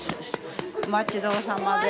お待ちどおさまです。